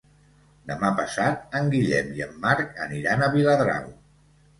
Demà passat en Guillem i en Marc aniran a Viladrau.